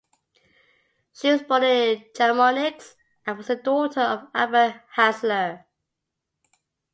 She was born in Chamonix and was the daughter of Albert Hassler.